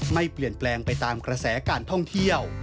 ไม่เปลี่ยนแปลงไปตามกระแสการท่องเที่ยว